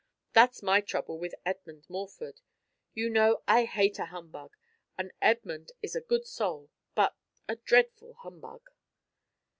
That's my trouble with Edmund Morford. You know, I hate a humbug and Edmund is a good soul, but a dreadful humbug."